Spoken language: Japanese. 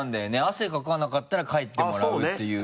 汗かかなかったら帰ってもらうっていう。